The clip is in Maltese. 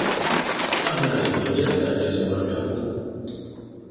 Aħna rridu li aktar nies joħorġu jaħdmu.